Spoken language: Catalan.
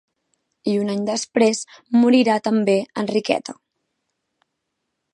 I un any després morira també Enriqueta.